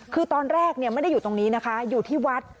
คือตอนแรกไม่ได้อยู่ตรงนี้นะคะอยู่ที่วัด